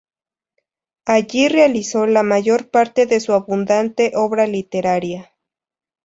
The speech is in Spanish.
Allí realizó la mayor parte de su abundante obra literaria.